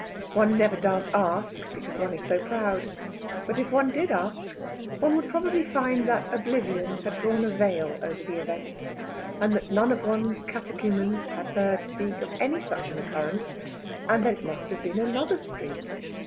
One never does ask, because one is so proud; but if one did ask, one would probably find that oblivion had drawn a veil over the event, and that none of one's catechumens had heard speak of any such an occurrence, and that it must have been another street.